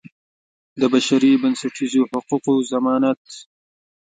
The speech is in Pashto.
د بشري بنسټیزو حقوقو ضمانت.